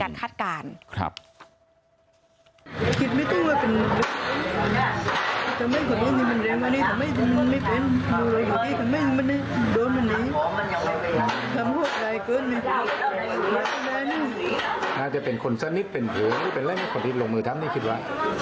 น่าจะเป็นคนสักนิดเป็นหูหรือเป็นอะไรให้คนที่ลงมือทำนี่คิดว่า